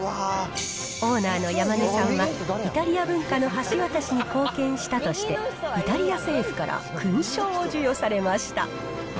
オーナーの山根さんは、イタリア文化の橋渡しに貢献したとして、イタリア政府から勲章を授与されました。